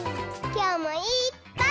きょうもいっぱい。